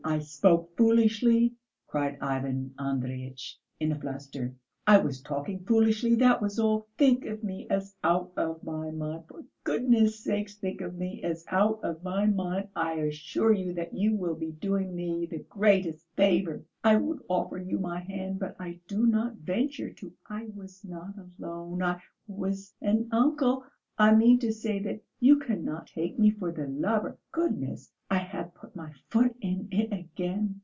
I spoke foolishly," cried Ivan Andreyitch in a fluster. "I was talking foolishly, that was all! Think of me as out of my mind.... For goodness' sake, think of me as out of my mind.... I assure you that you will be doing me the greatest favour. I would offer you my hand, but I do not venture to.... I was not alone, I was an uncle.... I mean to say that you cannot take me for the lover.... Goodness! I have put my foot in it again....